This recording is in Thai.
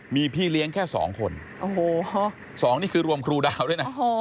มีพี่เลี้ยงแค่สองคนโอ้โหสองนี่คือรวมครูดาวด้วยนะ